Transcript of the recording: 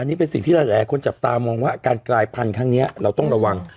นี่เป็นสิ่งที่หลายคนจับตามองว่าการกลายพันธุ์ครั้งนี้เราต้องระวัง